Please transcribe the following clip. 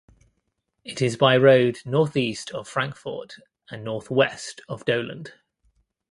It is by road northeast of Frankfort and northwest of Doland.